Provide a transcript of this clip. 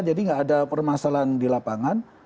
jadi gak ada permasalahan di lapangan